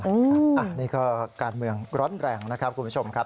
อันนี้ก็การเมืองร้อนแรงนะครับคุณผู้ชมครับ